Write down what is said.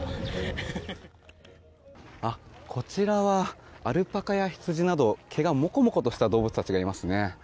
こちらはアルパカやヒツジなど毛がもこもことした動物たちがいますね。